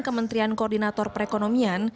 kementerian koordinator perekonomian